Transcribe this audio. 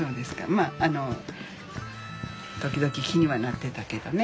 まああの時々気にはなってたけどね。